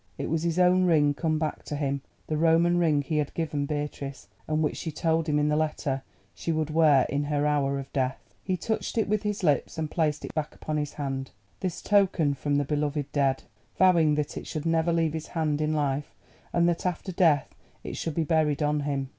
It was his own ring come back to him—the Roman ring he had given Beatrice, and which she told him in the letter she would wear in her hour of death. He touched it with his lips and placed it back upon his hand, this token from the beloved dead, vowing that it should never leave his hand in life, and that after death it should be buried on him.